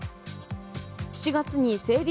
７月に、整備